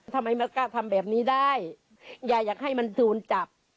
ทำไมไม่กล้าทำแบบนี้ได้ยายอยากให้มันโดนจับ